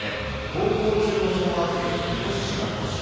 登校中の小学生にイノシシが突進。